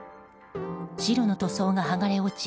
白の塗装が剥がれ落ち